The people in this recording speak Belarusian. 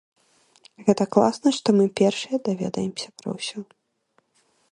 Гэта класна, што мы першыя даведваемся пра ўсё.